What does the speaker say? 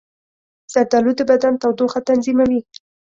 زردالو د بدن تودوخه تنظیموي.